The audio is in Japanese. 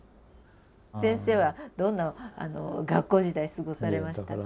先生はどんな学校時代過ごされましたか？